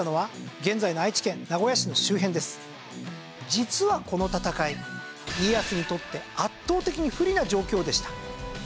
実はこの戦い家康にとって圧倒的に不利な状況でした。